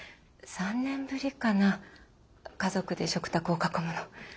３年ぶりかな家族で食卓を囲むの。